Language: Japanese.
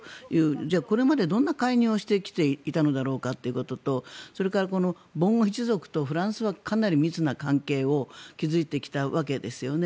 じゃあこれまでどんな介入をしてきていたのだろうかということとそれからこのボンゴ一族とフランスはかなり密接な関係を築いてきたわけですよね。